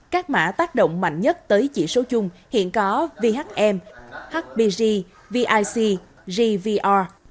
các mã tác động mạnh nhất tới chí số chung hiện có vhm hbg vic gvr